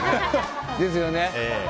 ですよね。